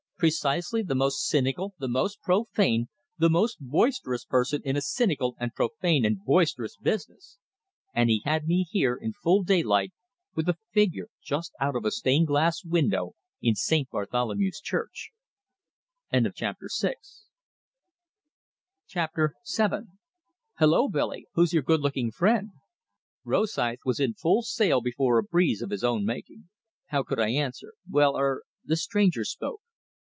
Precisely the most cynical, the most profane, the most boisterous person in a cynical and profane and boisterous business! And he had me here, in full daylight, with a figure just out of a stained glass window in St. Bartholomew's Church! VII "Hello, Billy! Who's your good looking friend?" Rosythe was in full sail before a breeze of his own making. How could I answer. "Why er " The stranger spoke.